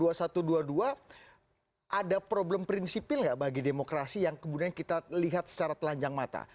ada problem prinsipil nggak bagi demokrasi yang kemudian kita lihat secara telanjang mata